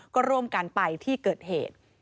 ก็ร่วมกันไปที่เกิดเหตุ